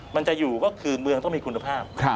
มันจะอยู่ก็คือเมืองต้องมีคุณภาพ